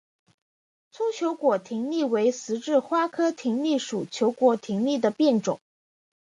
粗球果葶苈为十字花科葶苈属球果葶苈的变种。